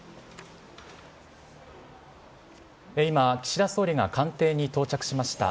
今、岸田総理が官邸に到着しました。